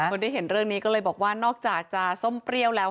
คนที่เห็นเรื่องนี้ก็เลยบอกว่านอกจากจะส้มเปรี้ยวแล้ว